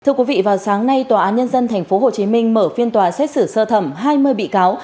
thưa quý vị vào sáng nay tòa án nhân dân tp hcm mở phiên tòa xét xử sơ thẩm hai mươi bị cáo